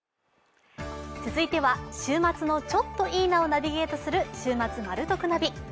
続いては週末のちょっといいなをナビゲートする「週末マル得ナビ」。